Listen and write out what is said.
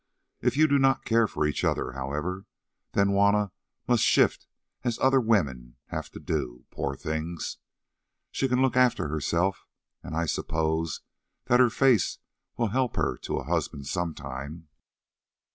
If you do not care for each other, however, then Juanna must shift, as other women have to do, poor things. She can look after herself, and I suppose that her face will help her to a husband some time.